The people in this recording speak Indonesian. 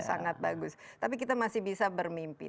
sangat bagus tapi kita masih bisa bermimpi